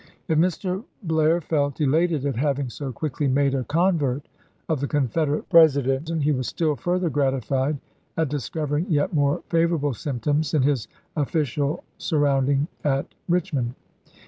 If Mr. Blair felt elated at having so quickly made a convert of the Confederate President, he was still further gratified at discovering yet more favorable symptoms in his official surrounding at Eichmond.